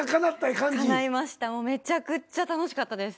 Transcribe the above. めちゃくちゃ楽しかったです。